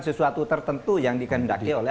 sesuatu tertentu yang dikendaki oleh